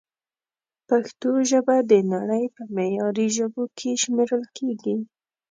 پښتو ژبه د نړۍ په معياري ژبو کښې شمېرل کېږي